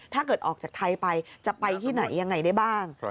ถ้าเกิดออกจากไทยไปจะไปที่ไหนยังไงได้บ้าง